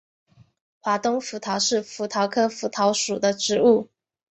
华东葡萄是葡萄科葡萄属的植物。